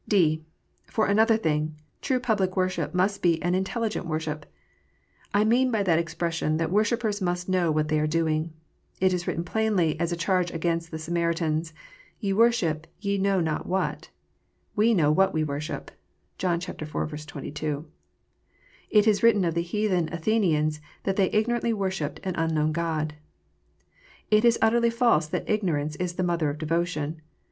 (d) For another thing, true public worship must be an intelligent worship. I mean by that expression that worshippers must know what they are doing. It is written plainly as a charge against the Samaritans, " Ye worship ye know not what : we know what we worship." (John iv. 22.) It is written of the heathen Athenians, that they ignorantly worshipped an "unknown god." It is utterly false that ignorance is the mother of devotion.